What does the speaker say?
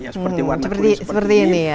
seperti warna kuning seperti ini